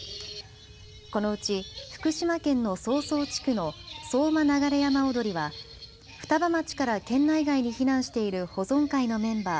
このうち福島県の相双地区の相馬流れ山踊りは双葉町から県内外に避難している保存会のメンバー